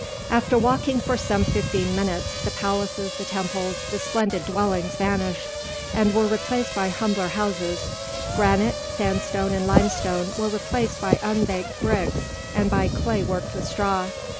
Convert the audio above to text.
After walking for some fifteen minutes, the palaces, the temples, the splendid dwellings vanished, and were replaced by humbler houses; granite, sandstone, and limestone were replaced by unbaked bricks and by clay worked with straw.